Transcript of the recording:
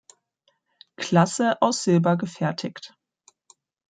Klasse aus Silber gefertigt.